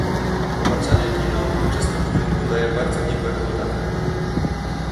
Obarczanie winą uczestników rynku daje bardzo nikłe rezultaty